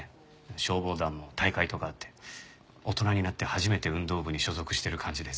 消防団も大会とかあって大人になって初めて運動部に所属してる感じです今。